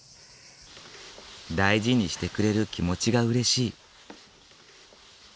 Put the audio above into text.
大事にしてくれる気持ちがうれしい。